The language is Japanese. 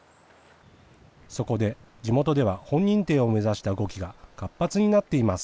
そこで地元では、本認定を目指した動きが活発になっています。